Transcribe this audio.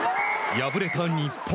敗れた日本。